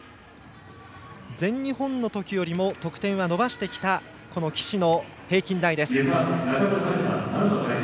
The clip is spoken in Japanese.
全日本の時よりも得点を伸ばしてきた岸の平均台です。